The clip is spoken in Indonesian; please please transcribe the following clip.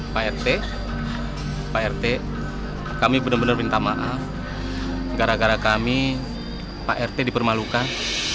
pak rt pak rt kami benar benar minta maaf gara gara kami pak rt dipermalukan